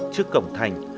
trước cổng thành